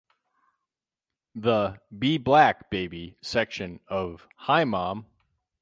The "Be Black, Baby" section of "Hi, Mom!